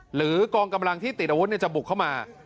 หรือกองกำลังที่ติดอาวุธจะบุกเข้ามา